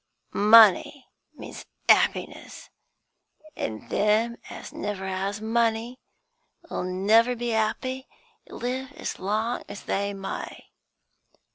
Money means 'appiness, an' them as never 'as money, 'll never be 'appy, live as long as they may.